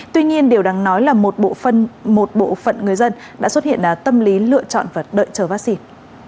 tuy nhiên điều đáng nói là một bộ phận người dân đã xuất hiện tâm lý lựa chọn và đợi chờ vaccine